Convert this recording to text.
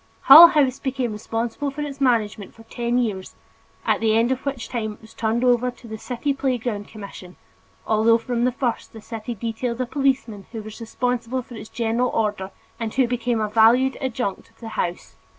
Hull House became responsible for its management for ten years, at the end of which time it was turned over to the City Playground Commission although from the first the city detailed a policeman who was responsible for its general order and who became a valued adjunct of the House.